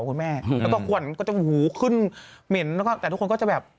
คุณแม่แล้วก็ขวนก็จะหูขึ้นเหม็นแล้วก็แต่ทุกคนก็จะแบบ